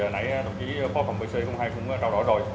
nãy đồng chí phó phòng bc hai cũng trao đổi rồi